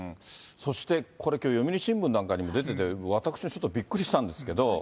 そして、これ、読売新聞なんかに出てて、私はちょっとびっくりしたんですけど。